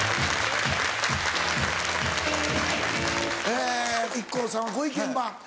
えＩＫＫＯさんはご意見番。